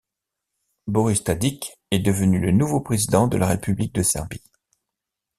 Boris Tadić est devenu le nouveau président de la République de Serbie.